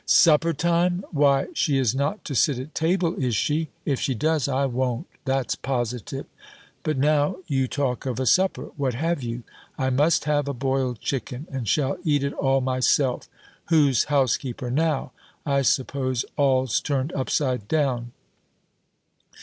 "Supper time! Why, she is not to sit at table, is she? If she does, I won't; that's positive. But now you talk of a supper, what have you? I must have a boiled chicken, and shall eat it all myself. Who's housekeeper now? I suppose all's turned upside down."